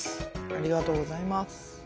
ありがとうございます。